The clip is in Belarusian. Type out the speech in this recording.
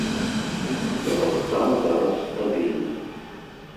Яго стан зараз стабільны.